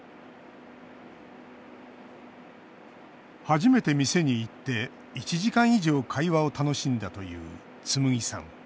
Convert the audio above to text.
初めて店に行って、１時間以上会話を楽しんだというつむぎさん。